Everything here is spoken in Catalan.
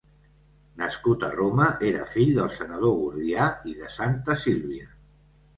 Nascut a Roma, era fill del senador Gordià i de Santa Sílvia.